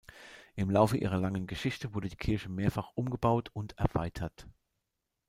Im Laufe ihrer langen Geschichte wurde die Kirche mehrfach umgebaut und erweitert.